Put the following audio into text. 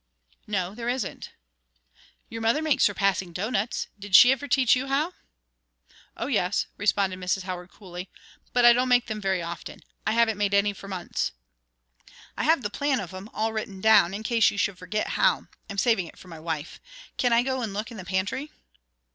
"No, there isn't." "Your mother makes surpassing doughnuts. Did she ever teach you how?" "Oh, yes," responded Mrs. Howard, coolly; "but I don't make them very often. I haven't made any for months." "I have the plan of 'em all written down, in case you should forget how. I'm saving it for my wife. Can I go and look in the pantry?"